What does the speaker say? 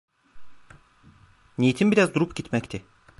Niyetim biraz durup gitmekti.